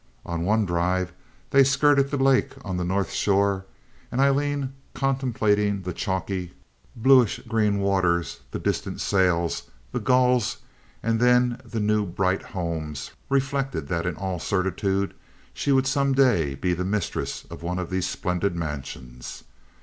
On one drive they skirted the lake on the North Shore, and Aileen, contemplating the chalky, bluish green waters, the distant sails, the gulls, and then the new bright homes, reflected that in all certitude she would some day be the mistress of one of these splendid mansions.